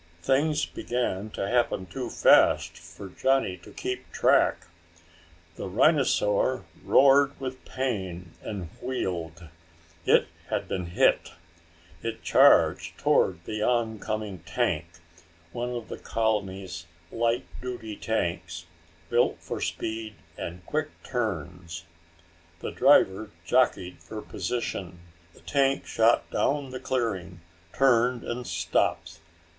Things began to happen too fast for Johnny to keep track. The rhinosaur roared with pain and wheeled. It had been hit! It charged toward the oncoming tank one of the colony's light duty tanks, built for speed and quick turns. The driver jockied for position. The tank shot down the clearing, turned and stopped.